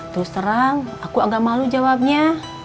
terus terang aku agak malu jawabnya